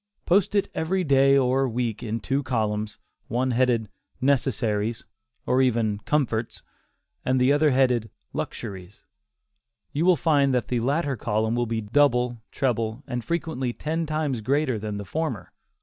Post it every day or week in two columns, one headed "necessaries" or even "comforts," and the other headed "luxuries," and you will find that the latter column will be double, treble, and frequently ten times greater than the former.